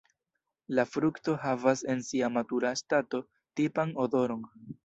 La frukto havas en sia matura stato tipan odoron.